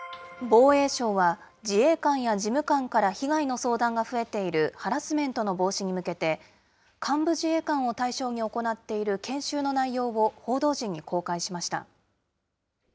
防衛省は、自衛官や事務官から被害の相談が増えているハラスメントの防止に向けて、幹部自衛官を対象に行っている研修の内容を報道陣に公開しました。